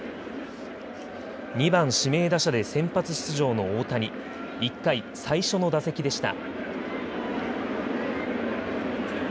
２番・指名打者で先発出場の大谷、１回、最初の打席でした。